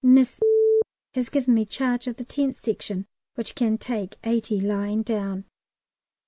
Miss has given me charge of the Tent Section, which can take eighty lying down.